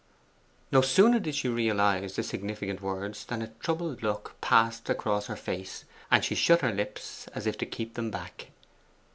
No sooner did she realise the significant words than a troubled look passed across her face, and she shut her lips as if to keep them back.